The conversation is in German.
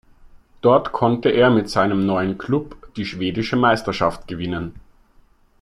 Dort konnte er mit seinem neuen Klub die schwedische Meisterschaft gewinnen.